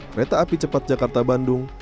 kereta api cepat jakarta bandung